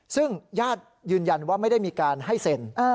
ซึ่งญาติยืนยันว่าไม่ได้มีการให้เซ็น